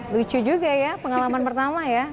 lucu juga ya pengalaman pertama ya